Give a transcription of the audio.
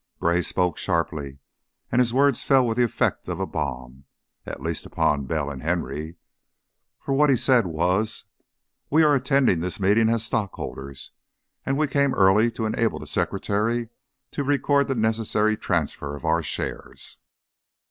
Gray spoke sharply, and his words fell with the effect of a bomb, at least upon Bell and Henry, for what he said was: "We are attending this meeting as stockholders, and we came early to enable the secretary to record the necessary transfer of our shares."